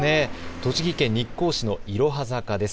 栃木県日光市のいろは坂です。